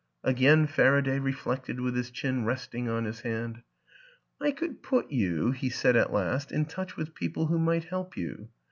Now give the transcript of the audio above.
Again Faraday reflected with his chin resting on his hand. " I could put you," he said at last, " in touch with people who might help you.